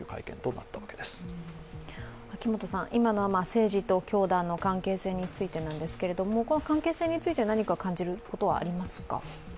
政治と教団の関係性についてですけれども、この関係性について何か感じることはありますか。